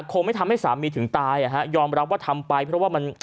คงไม่ทำให้สามีถึงตายอ่ะฮะยอมรับว่าทำไปเพราะว่ามัน